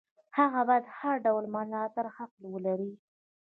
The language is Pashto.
هغه باید د هر ډول ملاتړ حق ولري.